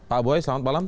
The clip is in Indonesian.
pak boy selamat malam